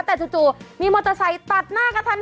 แต่จู่มีมอเตอร์ไซค์ตัดหน้ากระทัน